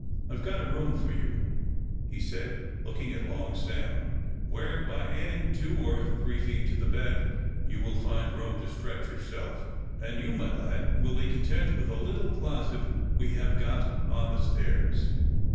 I've got a room for you," he said, looking at Long Sam, "where, by adding two or three feet to the bed, you will find room to stretch yourself; and you, my lad, will be content with a little closet we have got on the stairs.